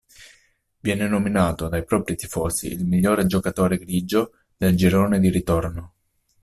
Viene nominato dai propri tifosi il migliore giocatore grigio del girone di ritorno.